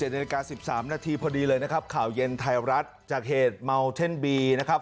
นาฬิกา๑๓นาทีพอดีเลยนะครับข่าวเย็นไทยรัฐจากเหตุเมาเท่นบีนะครับ